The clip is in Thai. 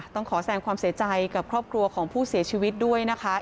ต้องขอแซมความเสียใจของคนผู้เสียชีวิตด้วยนะคะ